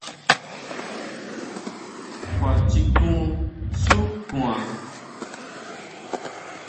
¿Kjuachikun xu kuan?